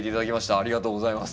ありがとうございます。